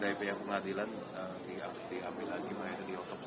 dari pihak pengadilan diambil lagi diotopsi